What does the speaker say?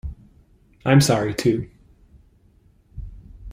I’m sorry, too.